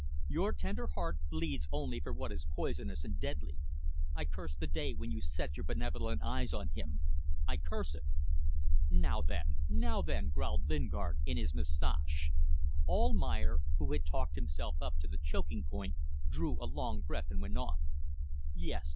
Your tender heart bleeds only for what is poisonous and deadly. I curse the day when you set your benevolent eyes on him. I curse it ..." "Now then! Now then!" growled Lingard in his moustache. Almayer, who had talked himself up to the choking point, drew a long breath and went on "Yes!